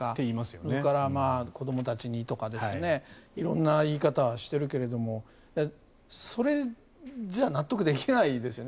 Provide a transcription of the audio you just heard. それから子どもたちにとか色んな言い方はしてるけれどもそれじゃ納得できないですよね。